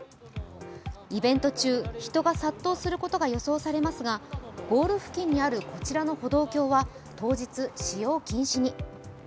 イベント中、人が殺到することが予想されますが、ゴール付近にあるこちらの歩道橋は当日、使用禁止に。